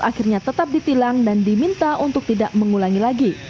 akhirnya tetap ditilang dan diminta untuk tidak mengulangi lagi